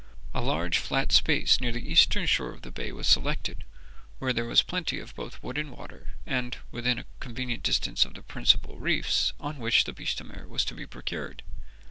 A large flat space near the eastern shore of the bay was selected, where there was plenty of both wood and water, and within a convenient distance of the principal reefs on which the biche de mer was to be procured.